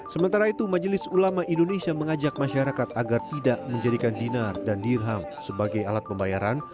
sementara itu majelis ulama indonesia mengajak masyarakat agar tidak menjadikan dinar dan dirham sebagai alat pembayaran